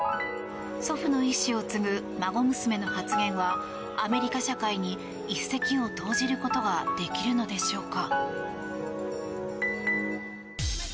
祖父の遺志を継ぐ孫娘の発言はアメリカ社会に一石を投じることができるのでしょうか。